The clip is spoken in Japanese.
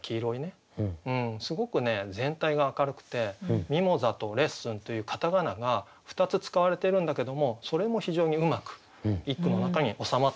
すごくね全体が明るくて「ミモザ」と「レッスン」という片仮名が２つ使われてるんだけどもそれも非常にうまく一句の中に収まってますね。